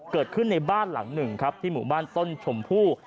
เกิดขึ้นในบ้านหลังหนึ่งครับที่หมู่บ้านต้นชมพู่